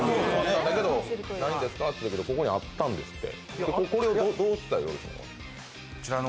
だけど、ないんですかと言ってたけどここにあったんですって。